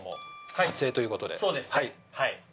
はい。